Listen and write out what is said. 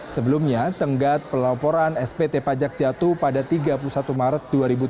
sebelumnya tenggat pelaporan spt pajak jatuh pada tiga puluh satu maret dua ribu tujuh belas